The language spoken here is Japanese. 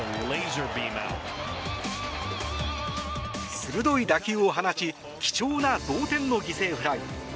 鋭い打球を放ち貴重な同点の犠牲フライ。